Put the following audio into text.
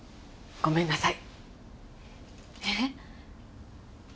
ごめんなさい。